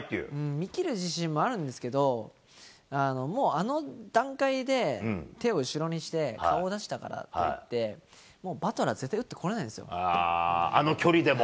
見切る自信もあるんですけど、もうあの段階で、手を後ろにして、顔出したからっていって、もうバトラー、絶対打ってこれないんであの距離でも。